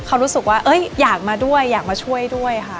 เขารู้สึกว่าอยากมาด้วยอยากมาช่วยด้วยค่ะ